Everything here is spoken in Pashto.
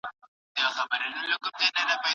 زما د خپل زړه په تيارو زما دونيا وه ډکه